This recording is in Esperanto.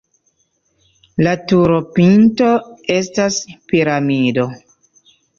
La turopinto estas piramido.